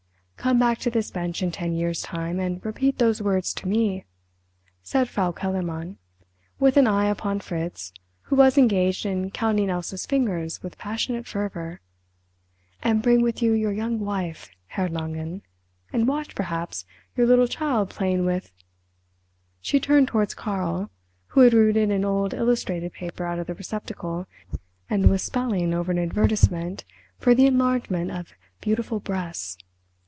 Come back to this bench in ten years' time and repeat those words to me," said Frau Kellermann, with an eye upon Fritz, who was engaged in counting Elsa's fingers with passionate fervour—"and bring with you your young wife, Herr Langen, and watch, perhaps, your little child playing with—" She turned towards Karl, who had rooted an old illustrated paper out of the receptacle and was spelling over an advertisement for the enlargement of Beautiful Breasts.